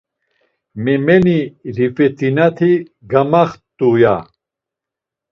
Memeni Rifet̆inati gamaxt̆u ya.